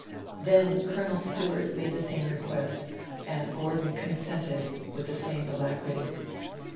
Then Colonel Stewart made the same request; and Gordon consented with the same alacrity.